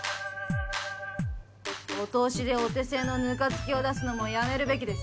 お通しでお手製のぬか漬けを出すのもやめるべきです